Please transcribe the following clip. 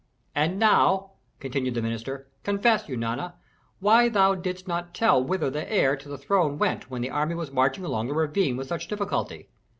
"And now," continued the minister, "confess, Eunana, why thou didst not tell whither the heir to the throne went when the army was marching along the ravine with such difficulty.